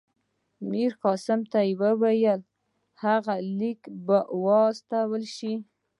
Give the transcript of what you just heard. ده میرقاسم ته وویل هغه لیک به واستول شي.